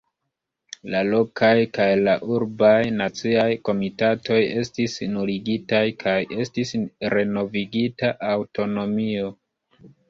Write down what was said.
La lokaj kaj la urbaj naciaj komitatoj estis nuligitaj kaj estis renovigita aŭtonomio.